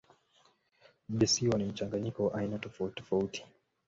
Visiwa ni mchanganyiko wa aina tofautitofauti.